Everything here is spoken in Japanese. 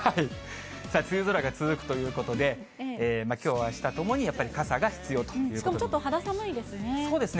さあ、梅雨空が続くということで、きょう、あしたともに、やっぱり傘が必要ということです。